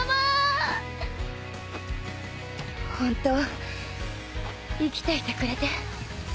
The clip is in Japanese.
本当生きていてくれて。